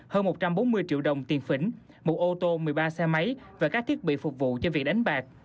hơn một trăm bốn mươi triệu đồng tiền phỉnh một ô tô một mươi ba xe máy và các thiết bị phục vụ cho việc đánh bạc